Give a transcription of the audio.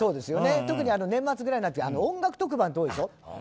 特に年末ぐらいになると音楽特番って多いでしょ。